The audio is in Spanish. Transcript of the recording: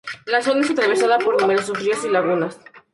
La zona es atravesada por numerosos ríos y lagunas.